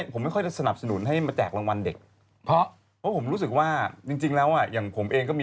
ผมไม่ค่อยระสนับสนุนให้แจกรางวัลเด็ก